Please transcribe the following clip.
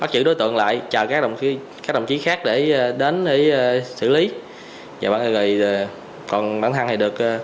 trí liền tăng ga bỏ chạy